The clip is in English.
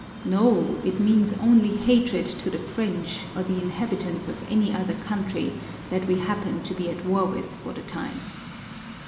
No, it means only hatred to the French or the inhabitants of any other country that we happen to be at war with for the time.